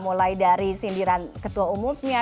mulai dari sindiran ketua umumnya